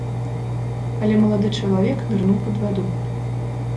Але малады чалавек нырнуў пад ваду.